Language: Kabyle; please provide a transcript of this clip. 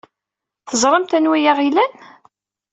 Teẓramt anwa ay aɣ-ilan.